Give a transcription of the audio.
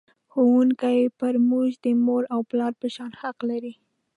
ښوونکی پر موږ د مور او پلار په شان حق لري.